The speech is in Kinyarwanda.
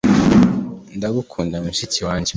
ndagukunda, mushiki wanjye